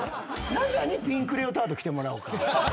ナジャにピンクレオタード着てもらおうか？